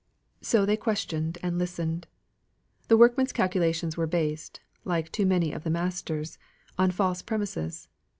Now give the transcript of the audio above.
So they questioned and listened. The workmen's calculations were based (like too many of the masters') on false premises.